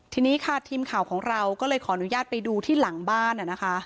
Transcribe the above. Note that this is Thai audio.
ทีนี้ค่ะทีมข่าวของเราก็เลยขออนุญาตไปดูที่หลังบ้าน